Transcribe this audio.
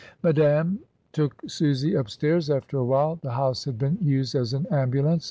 Madame took Susy upstairs after a while. The house had been used as an ambulance.